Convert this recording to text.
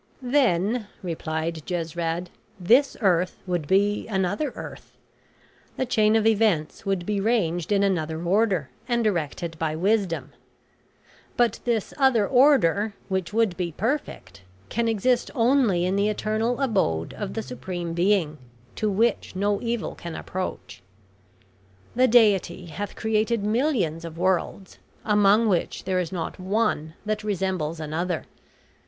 "Then," replied Jesrad, "this earth would be another earth. The chain of events would be ranged in another order and directed by wisdom; but this other order, which would be perfect, can exist only in the eternal abode of the Supreme Being, to which no evil can approach. The Deity hath created millions of worlds, among which there is not one that resembles another.